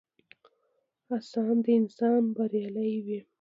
هڅاند انسان بريالی وي.